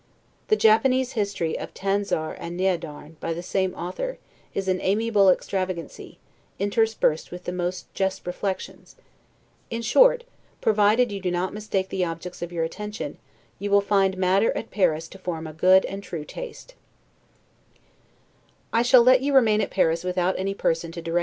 The Japanese history of "Tanzar and Neadarne," by the same author, is an amiable extravagancy, interspersed with the most just reflections. In short, provided you do not mistake the objects of your attention, you will find matter at Paris to form a good and true taste.